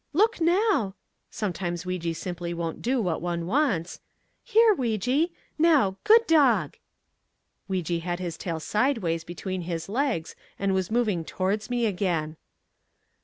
look now (sometimes Weejee simply won't do what one wants), here, Weejee; now, good dog!" Weejee had his tail sideways between his legs and was moving towards me again.